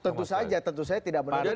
tentu saja tentu saja tidak menarik